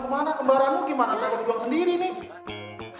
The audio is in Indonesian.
eh kemana kembaranmu gimana